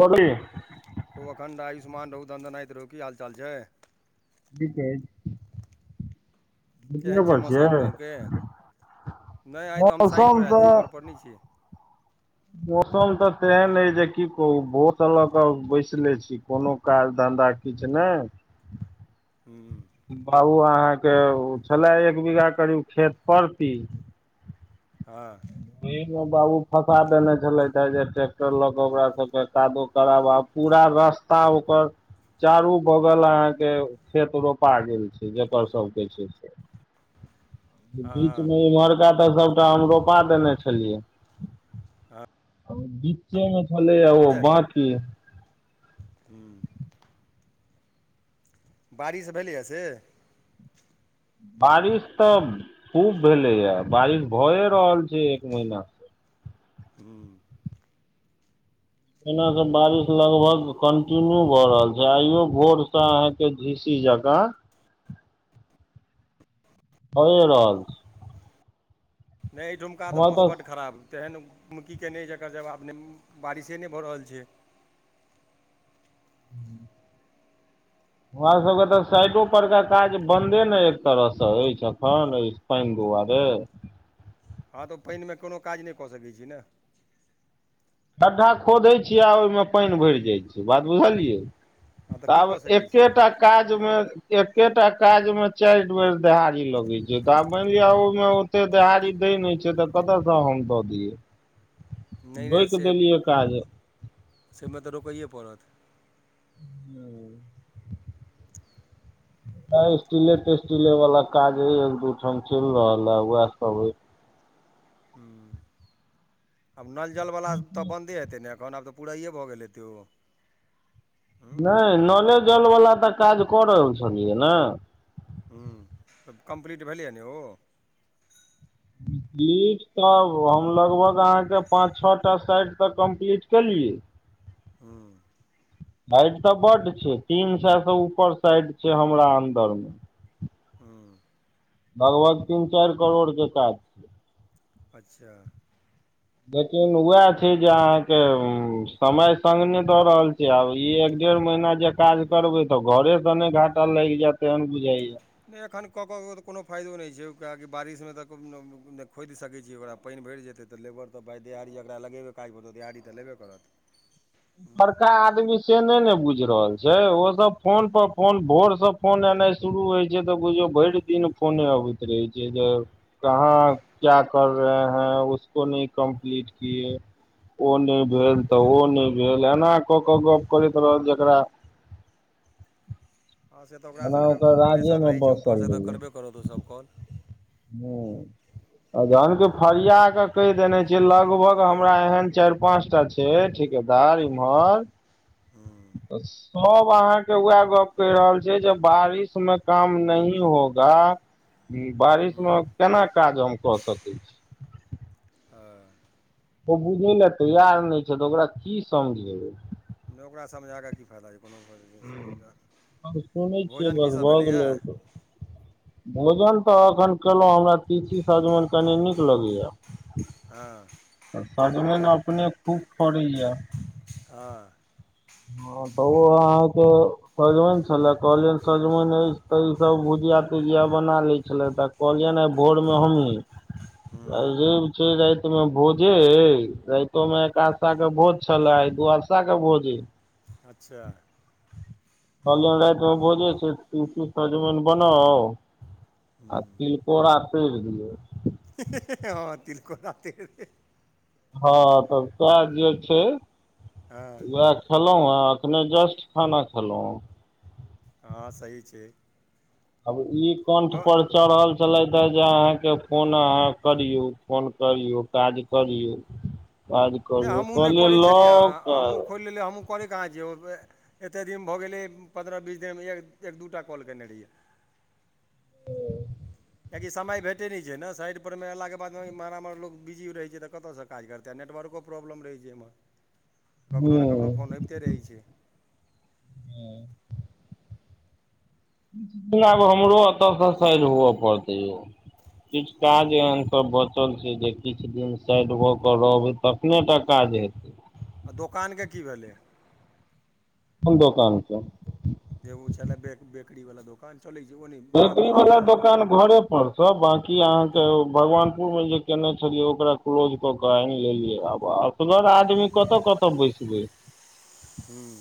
बबली। खूब अखण्ड आयुष्मान रहू, दनदनाइत रहू, की हाल चाल छै? ठीके ऐछ। छुट्टीये केहन छै पर मौसम छियै, गाँवके मौसम तऽ पढ़ने छियै। मौसम तऽ तेहन अइ जे की कहू, भोर से ल‌ क बैसले छी, कोनो काज धन्धा किछ नहि। हूँ। बाबू अहाँके छलै, एक बीघा करीब खेत परती। हँ। ओइमे बाबू फँसा देने छलथि हे, जे ट्रैक्टर लऽ कऽ ओकरा सबके कादो कराबऽ। पूरा रास्ता ओकर, चारू बगल अहाँक के खेत रोपा गेल छय, जेकर सबके छय से। बीच हँ हँ में ओमहरका तऽ सबटा हम रोपा देने छलियै। हँ। बीचे में छलै ओऽ बाकी। हूॅं, बारिश भेलैए से? बारिश तऽ खूब भेलै या, बारिश भए रहल छय एक महीना से। हूँ। एने त बारिश लगभग कंटिन्यू भऽ रहल छय, आइयो भोरस अहाँके झीसी जकाँ भए रहल छय। नय ई ढुमका तऽ मौस बड़ खराब। तेहन की केने अछि, जेकर जवाब नय, बारिशे नय भऽ रहल छय। हमरा सबके तऽ साइडो पर के काज बंदे ने एक तरहसँ अछि एखन अछि। पैन दुवारे। हँ तऽ, ओ पैन में कोनो काज नय कऽ सके छी नऽ। गढ्ढा खोदै छियै, आऽ ओहिमे पैन भैर जाइ छय, बात बुझलियै। हँ तऽ की तब कऽ सकैत छियै एकेटा काज में। एकेटा काज में चाइर बेर देहाड़ी लगै छय, तऽ आ मानि लिअ ओहि में तऽ देहाड़ी दैय नय छय, तऽ कतसॅं हम दऽ दियै। नैय रोकि से देलियै काज समे तऽ रूकैए पड़त। स्टीले -तेस्टीले वाला काज एक दूठाम चलि रहल है, उएह सब अई। हूॅं, आब नल -जल बला तऽ बन्दे हेतै ने, एखन आब तऽ पुराइेए भऽ गेलै हैतै ओ। हूँ नय नले जल वाला तऽ काज कऽ रहल छलियै ने। हूँ, तऽ कम्प्लीट भेलै ह ने ओ। ब्रीज सभ, हम लगभग अहाँ के पाँच छ टा साइड तऽ कम्प्लीट केलियै हूँ। बाइड तऽ बड छै, तीन सै से ऊपर साइड छै हमरा अन्दर मे। हूँ। लगभग तीन चाइर करोड़ के काज। छै अच्छा। लेकिन उएह छै जे अहाँके समय संग नै दऽ रहल छै आब ई ए डेढ़ महीना जे काज करबै तऽ, घरे से नै घाटा लैग जैत, तेहन बुझाइए। नै, अखन कऽ कऽ तऽ कोनो फायदो नइ छै, किया कि बारिश मे तऽ [unintelligible] नइ खोइद सकै छीयै ओकरा, पाइन भइर जेतै तऽ लेबर तऽ पाई, देहाड़ी एकरा लगेबै काज पर, तऽ देहारी तऽ लेबे करत। बड़का आदमी से नइ ने बुइझ रहल छै, ओसभ फोन पर फोन, भोरसँ फोन एनाइ शुरू होइ छै तऽ बुझियौ भैर दिन फोने अबैत रहै छै, जाउ। [unintelligible] ओ नइ ह्म भेल तऽ ओ नइ भेल, एना कऽ के गप करैत रहैत जेकरा। हँ, से तऽ ओकरा जेना सभके ओकर राज्ये प्रेसर मे रहै छै बसल ऊपर से, तऽ करबे करत ओ सभ कॉल। हूॅं, आ जहन की फड़िया कऽ। कैह देने छीयै, लगभग हमरा एहन चाइर-पाँंच टा छै ठिकेदार इम्हर बस। सब अहाँके उएह गप्प कहि रहल छै, जे बारिश में काम नहि होगा। हूँ, बारिश मऽ केना काज हम कऽ सकै छी। आ। ओ बुझै ले तैयार नै छै, तऽ ओकरा की समझेबै। नऽ, ओकरा समझा कऽ की फायदा अय, कोनो हम सुनै [unintelligible] छियै भोजन की बस सब भऽ भेलैए। गेलै भोजन तऽ एखन केलौ, हमरा तीसी सजमैन कनि नीक लगैयऽ। हँ। सजमैन अपने खूब फड़ैयऽ। अ। हँ, तऽ ओ अहाँ के सजमैन छले कहलियैन सजमैन ऐछ तऽ ई सब भुजिया -तुजिया बना लै छेलैथऽ। कहलिऐन हें, भोर मे हमहु, आइ ह्म रैब फेर रैत मे भोजे ऐ, रैतो मे एकादशा के भोज छलऽ, आइ द्वादशा के भोजे ऐ। अच्छा। कहलियैन, रैत मे भोजै छै तीसी, सजमैन बनाउ, आ तिल कोरा तैड़ दियौ। हें हें हें, हँ, तिलकोड़ा तैर [unintelligible] हँ, तब तै जे छै, हँ वएह खेलौं हं, अखने जस्ट खाना खेलौं। तऽ हँ, सही छै। अब ई कंठ हँ पर चढ़ल छेलैथ जे अहाँ के फोन, अहाँ करियो, फोन करियो, काज करियो। नइ, हमहूँ नै करै छेलियै। आँ, लऽ आँ, हमहूँ कऽ खोल लेलियै, हमहूँ करैय काहां छियै एते दिन भऽ गेलै पन्द्रह बीस दिन मे एक दूटा कॉल केने रहियै। हू कियाकि समय भेटैय नैय छैय न साइड पर मे एलाक के बाद एम्हर -ओम्हर लोग बिजीयो रहै छैय तऽ कतऽ स। काज करतै नेटवर्को प्रॉब्लम रहैय छैय एम्हर ककरो ने ककरो फोन हूँ अैबते रहै छैय। हं लेकीम आब हमरो एत सऽ साइड हुअ पड़तै यौ किछ काज अई अहां के। बचल छैय जे किछ दिन साइड भऽ कऽ रहबै तखने टा काज हेतैय। आ दोकान के की भेलैय। कोन दोकान के एगो छेला बैक बेकरीवला दोकान चलै छैय ओ नैय बंन्द बेकरी कऽ वाला देलियै। दोकान घरे। परस बांकी आहां के भगवानपुर मे जे केयने छेलियै ओकरा क्लोज कऽ कऽ अैन लेलियै आब आब। एसगर आदमी कतऽ कतऽ बैसबै। हूं।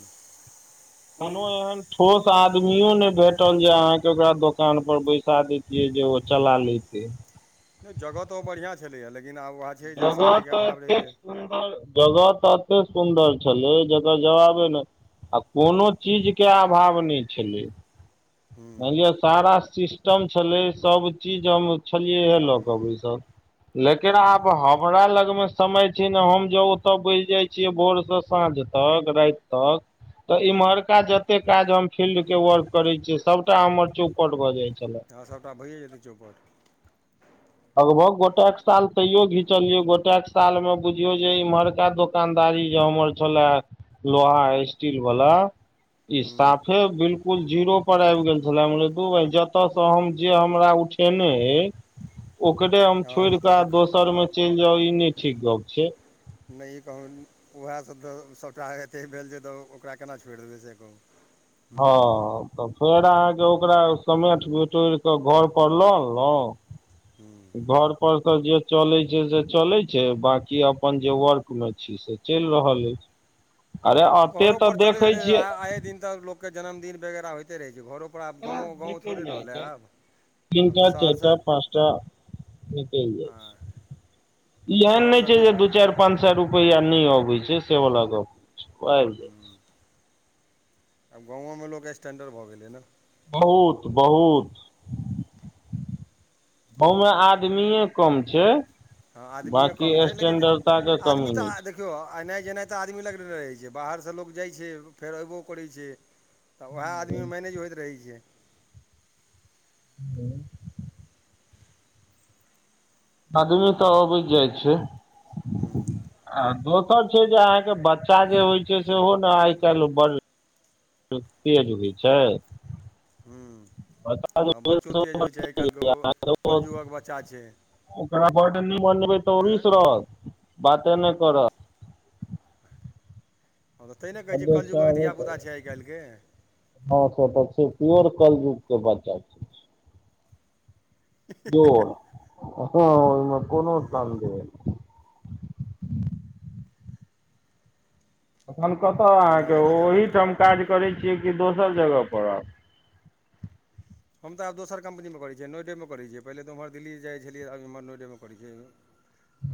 कोनो एहन ठोस आदमियो नैय भेटल जे आहां के ओकरा दोकान पर बैसा दैतीय। से जे ओ चला लेैतेैय। नैय जगह तऽ ओ बढ़ियां छेलैया लेकिन आब आब वएह छैय जे समय के अभाव रहै छैय। सुंदर जगह तऽ एते सुंदर छलै जकर जवाबे नै आ कोनो चीज के अभाव नैय छेलैय। हूँ मैन लिअ सारा सिस्टम छलैय सब चीज हम छेलियै या लऽ कऽ बैसल। लेकिन हूँ आब हमरा लग मे समय छैय ने हम जो ओतऽ बैस जाय। छियै भोर सऽ सांझ तक राइत तक। तऽ हूँ इम्हरका जते काज हम फील्ड के वर्क करेै। से सबटा हमर चौपट भऽ जाय छेला। हं सबटा भैए जेतै चौपट। लगभग गोटएक साल तैयो घिचलिय गोटएक साल में बुझियो जे इम्हरका का दो। दोकान दारी जे हमर छेलाहे लोहा स्टील वाला। इ हूँ साफे बिलकुल जीरो पर अैब गेल छेला हम कहलिय दु बैह जतऽ स हम जे हमरा उठ। उठेने अई। ओकरे हम हँ छोइड़ कऽ जतयसँ दोसर मे चलि जाउ ई नहि ठीक गप छैय। नहि कहू [unintelligible] उएह स तऽ सभटा एते भेल जे तऽ ओकरा केना छोड़ि देबै से कहू। हूँ हां। तऽ फेर अहां के ओकरा समेट बिटोइर कऽ घर पर लऽ अनलहुं। हूं। घर पर त जे चले छैय से चले छैय, बाकी अपन जे वर्क मे छी से चैल रहल अइ। घरो पर चले हैतेय छियै आये दिन तऽ लोक के जन्मदिन वगैराह होयते। कैरते रहै छैय, घरो पर आब गांव-गांव थोड़े रहलै तीन आब-आब टा तऽ चारि शहर सऽ। टा पाँच टा निकलि जाइ छैय, आब ई तऽ एहन नहि शहरसँ बे छैय, जे दू चाईर। पानसए रुपैया नहि अबै छैय, से बला गप नहि छैय आबि जाइ छैय। हूँ आब गांवों में लोक स्टैंडर्ड भऽ गेलैय न। बहुत-बहुत गांव मे आदमिए कम छै। हाॅं, आदमिए बाँकी कम छै लेकिन स्टैंडर्डता के आदमी कमी नहि तऽ अहां देख देखियौ एनाइ-जेनाइ तऽ आदमी लगले रहै छै। बाहरसे लोक जाइ छै, फेर अयबो करै छै। तऽ वएह छै आदमीमे मैनेज होइत रहै छै। हूॅं। आदमी तऽ आबैत जाइ छै। हूॅं। आ दोसर छै जे अहाँके बच्चा जे होइ छै, सेहो ने आइ काल्हि बड़ से तेज उगै छै? बच्चा जे हाॅं बच्चो तेज होइ छै, आइ काल्हिके ओ छै कलयुगक बच्चा छै‌। ओकरा बड नहि मानबै तऽ ओ रूसि रहत। बाते नहि करत। हाॅं तऽ तैने कहैत छी, हँ कलयुगक धिया पुता छै आइ काल्हिके। हाॅं से तै छै। प्योर कलजुग के बच्चा छै। [unintelligible] हाॅं ओहिमे कोनो संदेह नहि। अखन कतेय जेना अहाँके जेना जमा ओ-ओहिठाम काज करै छियै कि दोसर जगह पर आब? हम तऽ आब दोसर कम्पनीमे करै छियै। नोएडेमेै करै छियै। पहिेले तऽउम्हर दिल्ली जाइ छलियै, आब एम्हर नोएडेमे करै छियै।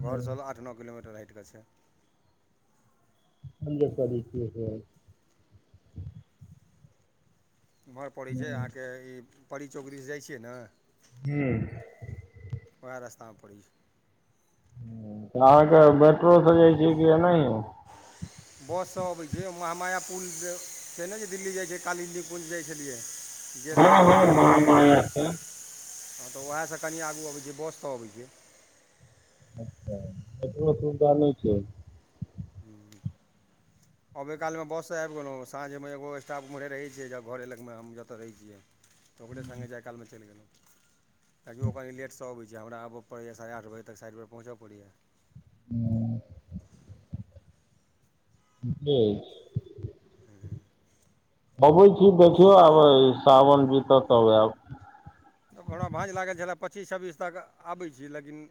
घरसे आठ नो किलोमीटर हटि कऽ छै। हमजे करै छियै से उम्हर पड़ैत छै, अहाँके ई परी चौक दिश जाइ छियै ने? हूॅं। वएह रस्तामे पड़ैय छै। तऽ अहाँके मेट्रोसे जाइ छियै कि एनाहिए? बस सभ अबै छै। महामायापुल छै -छैने जे दिल्ली जाइत छै, कालीपुञ्ज जाइ छलियै। [unintelligible] हँ देखने हँ हेबै। महामाया से हाॅं तऽ उएहसे कनि आगू अबै छियै। बस सऽ अबै छियै। अच्छा, मेटरो सुविधा नहि छै। हूॅं। अबै कालमे बससे आबि गेलहुँ। साँझमे एगो स्टाफ उम्हरे रहैत छै। जब घरे लगमे हम जतेय रहै छियै। तऽ ओकरे सङ्गे जाइ कालमे चलि गेलहुँ। ताकि ओ कनि लेटसे अबैत छै। हमरा आबैय पड़ैए साढ़े आठ बजे तक साइट पर पहुँचअ पड़ैए। हूॅं [unintelligible] अबै छी देखियौ, आब सावन बीतत तब आयब। त हमरा भाँज लागल छलै, पच्चीस छब्बीस तक आबै छी लेकिन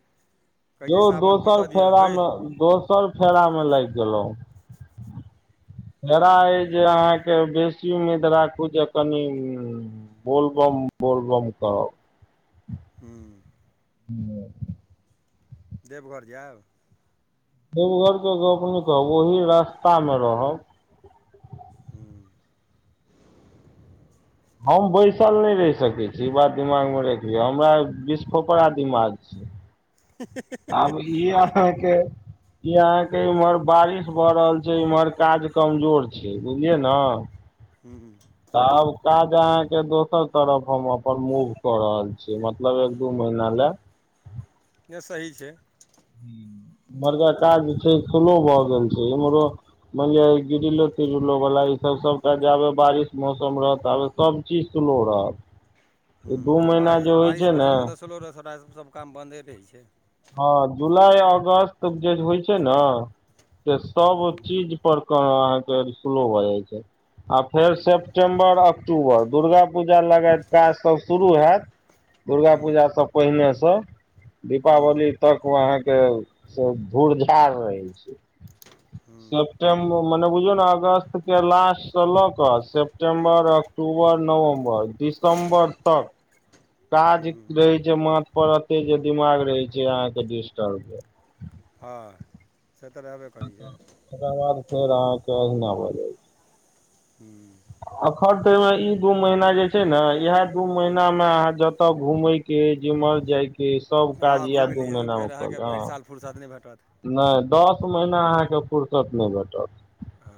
कहै यौ छै सावन दोसर बीतऽ दिअ हइ फेरामे दोस सरफेरा मे लैग गेलहुँ। फेरा हूँ ऐ जे अहाँके यौ बेसी उम्मीद राखू जे कनि-उम्म्म बोलबम बोलबम कहब। [inaudible] हूं। [inaudible] देबघर जायब? देबघर के गप नै कहु, ओहि रास्ता मे रहब। हूं। हम बैसल नै रहि सकैत छी, इ बात दिमागमे रैख लियअ, हमरा बिसखोपरा दिमाग छै। आब इ आहांके इ अहाँके इम्हर बारिश भऽ रहल छै, इम्हर काज कमजोर छै, बुझलियै न। हूँ। तऽ आब काज अहाँके दोसर तरफ हम अपन मूभ कऽ रहल छी, मतलब एक दू महीना लेए। नै सही छै। बरगा काज जे छै स्लो भए गेल छै, इम्हरो मानिलिय ग्रिलो- त्रिलो वाला इ सब सबटा जाबे बारिश मौसम रहत, ताबे सब चीज स्लो रहत, इ दू महिना जे होइ छै ने गेलो रोसड़ा सब काम बन्दे रहै छै। हां जुलाइ अगस्त जे होइ छै ने, से सब हूँ चीज पर कअहाँके स्लो भऽ जाइ छै। आ फेर हूँ सेप्टेम्बर, अक्टूबर, दुर्गा पूजा लगाइत काज सब शुरू हैत। दुर्गा हूँ पूजा स पहिनेसँ। हूँ दिपावली तक मे अहाँके से धुरझाड़ रहै छै। हूँ सेप्टेम्ब मने बुझियौ ने, अगस्त के लास्टसँ लऽ कऽ सेप्टेम्बर अक टूबर, नवम्बर, दिसम्बर, तक। काज हूँ रहे छै मांथ पर एते जे, दिमाग रहे छै अहाँके डिसटर्ब। हां। से तऽ रहबे करै छै। ओकरा बाद फेर अहाके, एहिना भ जाइ ए। हू। एखन त ओना इ दू महीना जे छै ने, इहा दू महीनामे अहाँ जतऽ घुमबै। के जेमर जाइ के, सब काज येह दू महीना मे कललिय, हँ। फुर्सत नै भेटत। नै दस महिना अहाँके फुर्सत नै भेटत। आ।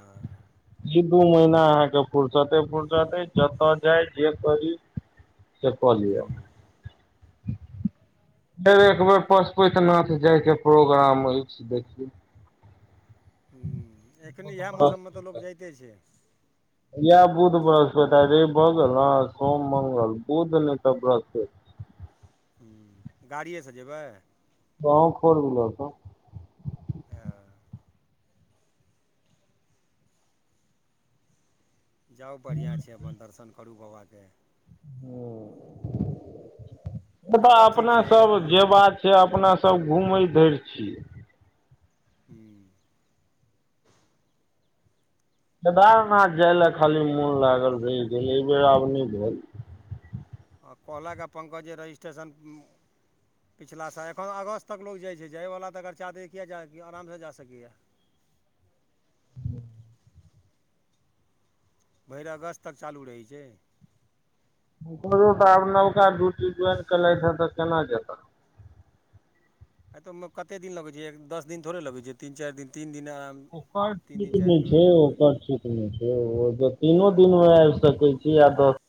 इ दू महीना अहाँके फुर्सते -फुर्सत अई, जतअ जाय, जे करी। से क लिय। फेर एक बेर पशुपति नाथ जाय के प्रोग्राम अछि, देखियौ। हू, एखनि एह मौसममे तऽ लोक जाइते छै। यैह बुध बृहस्पति, आइ लैब भऽगेल न, सोम, मंगल, बुध ने तऽ बृहस्पैत। हू। गाड़ीएसँ जेबै? गाँव फोरहूलर से। हेअ। जाउ बड़िया छै, अपन दर्शन करू बाबाके। हू, जगह ठीक मुदाअपना छै हूँ सब जे बात छै, अपना सब घुमै धैर छियै। हू। केदारनाथ जाइ ले खाली मोन लागल रहि गेल, एहि बेर आब नै भेल। आ कहलके पंकज जे रजिस्ट्रेशन पछिला साल एखन अगस्त तक लोक जाइ छै, जायवला तऽ चादरि तकिया जा आरामसँ जा सकैए। भरि अगस्त तक चालू रहै छै। [unintelligible] आब नबका ड्यूटी ज्वाइन केलैथ हें तऽ केना जेता। ऐ तऽ ओय मे कते दिन लगै छै, एक दस दिन थोड़े लगै छै, तीन-चार दिन तीन दिना ओकर ठीक नै छै, ओकर लोक ठीक नै छै, ओ ते तीनो आँय दिन मे आएब सकै किये तऽ